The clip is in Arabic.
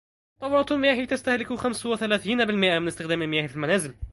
دورات المياه تستهلك خمسو وثلاثين بالمئة من إستخدام المياه في المنازل.